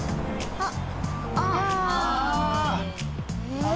あっ！